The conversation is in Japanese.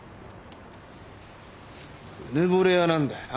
うぬぼれ屋なんだよな。